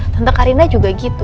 tante karina juga gitu